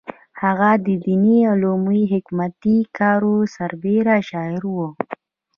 هغه د دیني علومو او حکومتي کارونو سربېره شاعره وه.